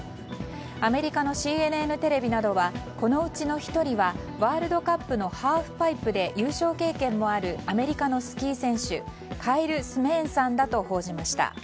アメリカのＣＮＮテレビなどはこのうちの１人はワールドカップのハーフパイプで優勝経験もあるアメリカのスキー選手カイル・スメーンさんだと報じました。